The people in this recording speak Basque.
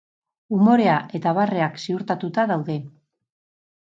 Umorea eta barreak ziurtatuta daude.